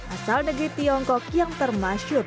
asal negeri tiongkok yang termasyur